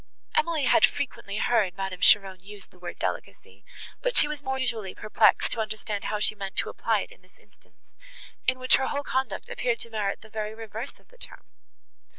Emily had frequently heard Madame Cheron use the word delicacy, but she was now more than usually perplexed to understand how she meant to apply it in this instance, in which her whole conduct appeared to merit the very reverse of the term.